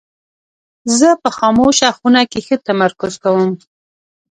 زه په خاموشه خونه کې ښه تمرکز کوم.